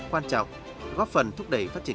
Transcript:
quan trọng góp phần thúc đẩy phát triển